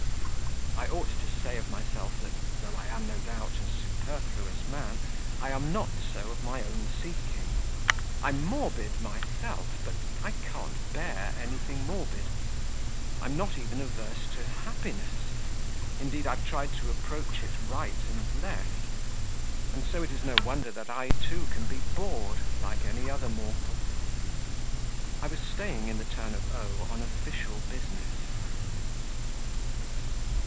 I ought to say of myself that, though I am, no doubt, a superfluous man, I am not so of my own seeking; I'm morbid myself, but I can't bear anything morbid.... I'm not even averse to happiness indeed, I've tried to approach it right and left.... And so it is no wonder that I too can be bored like any other mortal. I was staying in the town of O on official business.